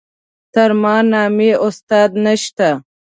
تر ما نامي استاد نشته.